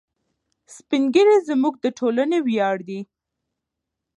سپین ږیري زموږ د ټولنې ویاړ دي.